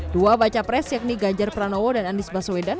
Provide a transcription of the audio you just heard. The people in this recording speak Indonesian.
dua baca pres yakni ganjar pranowo dan anies baswedan